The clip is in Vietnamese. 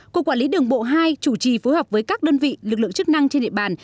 cục quản lý đường bộ hai chủ trì phối hợp với các đơn vị lực lượng chức năng trên địa bàn